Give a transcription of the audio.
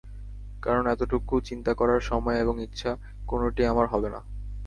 কারণ এতটুকু চিন্তা করার সময় এবং ইচ্ছা, কোনোটিই তোমার হবে না।